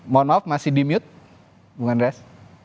mohon maaf masih di mute bung andreas